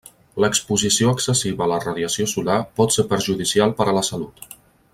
L'exposició excessiva a la radiació solar pot ser perjudicial per a la salut.